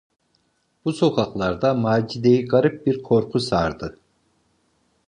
Bu sokaklarda Macide’yi garip bir korku sardı.